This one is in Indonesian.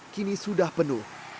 kini sudah penuh